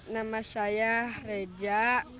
nama saya reja